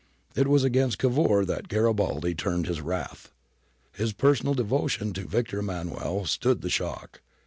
It was against Cavour that Garibaldi turned his wrath ; his personal devotion to Victor Emmanuel stood the shock.